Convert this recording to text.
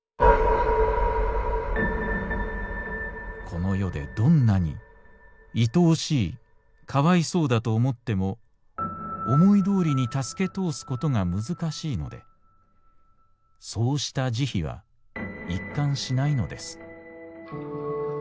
「この世でどんなにいとおしいかわいそうだと思っても思いどおりに助け通すことが難しいのでそうした慈悲は一貫しないのです」。